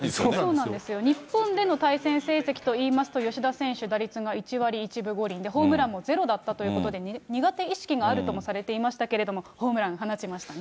そうなんですよ、日本での対戦成績といいますと、吉田選手、打率が１割１分５厘でホームランもゼロだったということで、苦手意識があるともされていましたけれども、ホームランを放ちましたね。